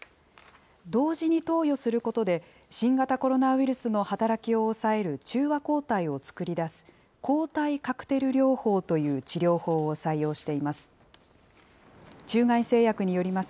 同時に投与することで、新型コロナウイルスの働きを抑える中和抗体を作り出す抗体カクテル療法という治療法を採用しています。